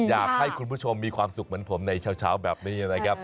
อยากให้คุณผู้ชมมีความสุขเหมือนผมในเช้าแบบนี้นะครับ